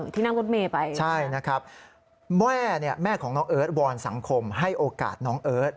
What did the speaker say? ที่นั่งรถเมย์ไปใช่นะครับแม่เนี่ยแม่ของน้องเอิร์ทวอนสังคมให้โอกาสน้องเอิร์ท